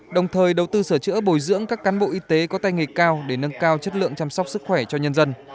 đồng thời đầu tư sửa chữa bồi dưỡng các cán bộ y tế có tay nghề cao để nâng cao chất lượng chăm sóc sức khỏe cho nhân dân